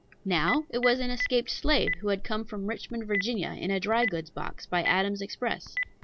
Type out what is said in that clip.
Now it was an escaped slave, who had come from Richmond, Va., in a dry goods box, by Adams Express.